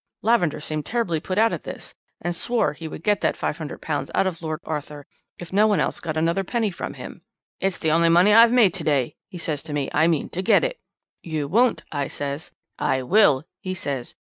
Lavender seemed terribly put out at this, and swore he would get that £500 out of Lord Arthur, if no one else got another penny from him. "'It's the only money I've made to day,' he says to me. 'I mean to get it.' "'You won't,' I says. "'I will,' he says.